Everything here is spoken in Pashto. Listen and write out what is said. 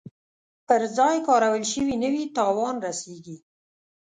پر ځای کارول شوي نه وي تاوان رسیږي.